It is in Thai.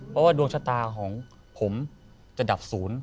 เพราะว่าดวงชะตาของผมจะดับศูนย์